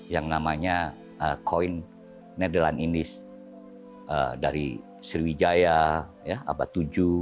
yang namanya koin nedelan indies dari sriwijaya abad tujuh